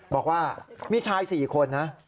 บอกว่ามีชาย๔คนนะ